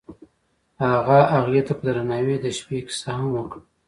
هغه هغې ته په درناوي د شپه کیسه هم وکړه.